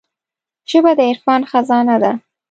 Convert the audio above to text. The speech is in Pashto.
ژبه د عرفان خزانه ده